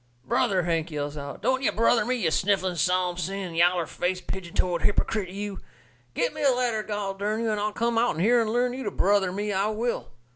"Brother!" Hank yells out, "don't ye brother me, you sniffling, psalm singing, yaller faced, pigeon toed hippercrit, you! Get me a ladder, gol dern you, and I'll come out'n here and learn you to brother me, I will."